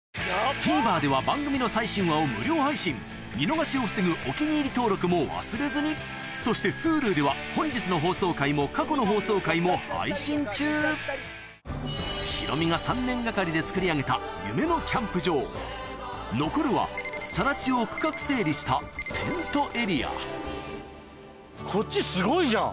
ＴＶｅｒでは番組の最新話を無料配信見逃しを防ぐ「お気に入り」登録も忘れずにそしてＨｕｌｕでは本日の放送回も過去の放送回も配信中ヒロミが残るは更地を区画整理したテントエリアこっちすごいじゃん。